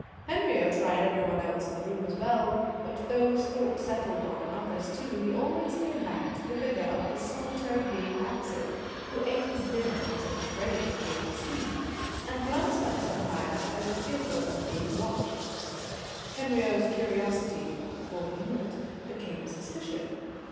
Henriot tried every one else in the room as well; but, though his thought settled on others too, he always came back to the figure of this solitary being opposite, who ate his dinner as if afraid of being seen, and glanced up sometimes as if fearful of being watched. Henriot's curiosity, before he knew it, became suspicion.